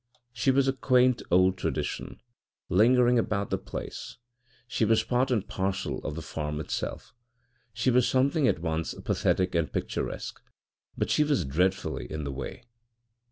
She was a quaint old tradition, lingering about the place, she was part and parcel of the farm itself, she was something at once pathetic and picturesque but she was dreadfully in the way.